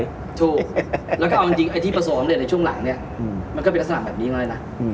ถูกแล้วก็เอาจริงที่ประสงค์อำนวยในช่วงหลังเนี่ยมันก็เป็นลักษณะแบบนี้เลยนะ